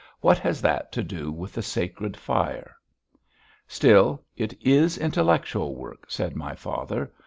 "What has that to do with the sacred fire?" "Still, it is intellectual work," said my father.